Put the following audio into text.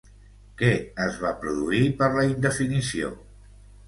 Què es va produir per la indefinició?